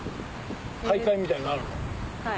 大会みたいのあるの？